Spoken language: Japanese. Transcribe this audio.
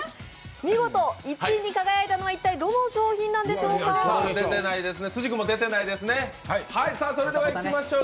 見事１位に輝いたのは一体どの商品なんでしょうか。